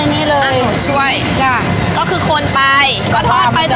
อันนี้คือเป็ดรวนมาแล้ว